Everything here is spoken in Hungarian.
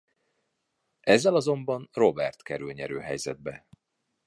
Ezzel azonban Robert kerül nyerő helyzetbe.